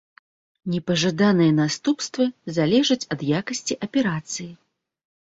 Непажаданыя наступствы залежаць ад якасці аперацыі.